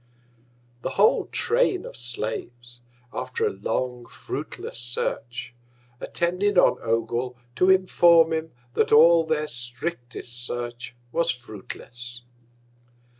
The whole Train of Slaves, after a long fruitless Search, attended on Ogul, to inform him that all their strictest Search was fruitless.